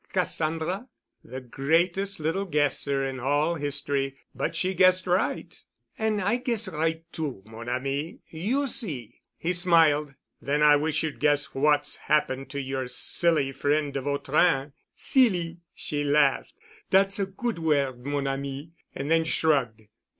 "Cassandra?" "The greatest little guesser in all history. But she guessed right——" "An' I guess right too, mon ami. You see." He smiled. "Then I wish you'd guess what's happened to your silly friend de Vautrin." "Silly!" she laughed. "Dat's a good word, mon ami" and then shrugged.